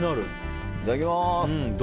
いただきます。